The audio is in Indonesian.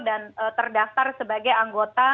dan terdaftar sebagai anggota